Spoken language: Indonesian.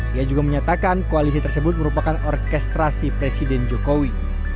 ia juga menyatakan koalisi tersebut merupakan orkestrasi presiden jokowi